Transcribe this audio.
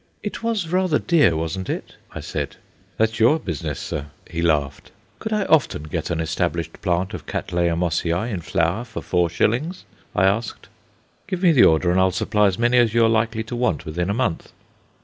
"It was rather dear, wasn't it?" I said. "That's your business, sir," he laughed. "Could I often get an established plant of Cattleya Mossiæ in flower for 4s.?" I asked. "Give me the order, and I'll supply as many as you are likely to want within a month."